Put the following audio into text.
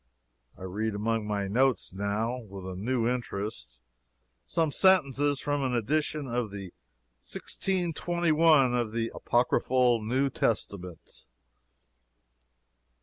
I read among my notes, now, with a new interest, some sentences from an edition of 1621 of the Apocryphal New Testament.